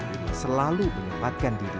ayah tiga anak ini selalu menempatkan diri berdua